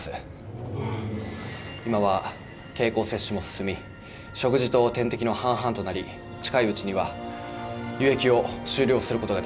今は経口摂取も進み食事と点滴の半々となり近いうちには輸液を終了することができそうです。